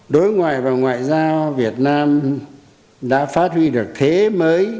đối ngoại và ngoại giao việt nam đã phát huy được thế mới